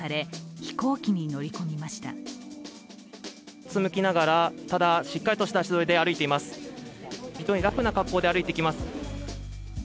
非常にラフな格好で歩いてきます。